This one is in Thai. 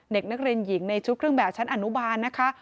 เด็กนักเรียนหญิงในชุดเครื่องแบบชั้นอนุบาลนะคะ